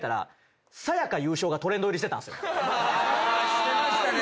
してましたね。